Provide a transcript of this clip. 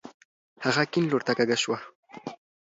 هغه کيڼ لورته کږه شوه.